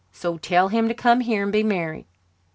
So tell him to come here and be married."